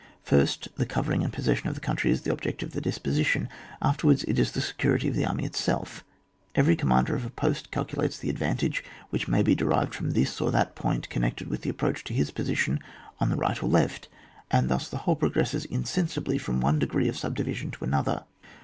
First, the covering and the possession of the country is the object of the dispersion ; afterwards it is the secu rity of the army itself. Every commander of a post calculates the advantage which may be derived from this or that point connected with the approach to his posi* tion on the right or the left, and thus the whole progresses insensibly from one degree of subdivision to another.